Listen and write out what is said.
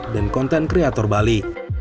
dan konten kreator bali